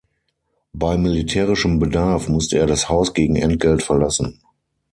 Bei militärischem Bedarf musste er das Haus gegen Entgelt verlassen.